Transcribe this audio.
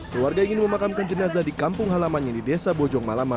keluarga ingin memakamkan jenazah di kampung halamannya di desa bojong malama